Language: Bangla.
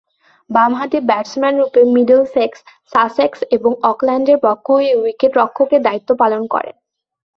বামহাতি ব্যাটসম্যানরূপে মিডলসেক্স, সাসেক্স এবং অকল্যান্ডের পক্ষ হয়ে উইকেট-রক্ষকের দায়িত্ব পালন করেন।